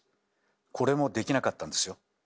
これもできなかったんですよ？